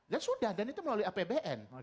ya sudah dan itu melalui apbn